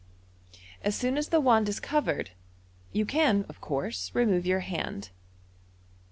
As soon as the wand is covered, you can of course remove your hand.